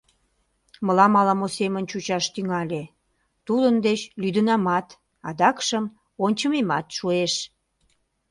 Мылам ала-мо семын чучаш тӱҥале: тудын деч лӱдынамат, адакшым ончымемат шуэш.